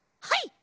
はい！